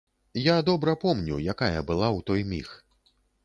Я добра помню, якая была ў той міг.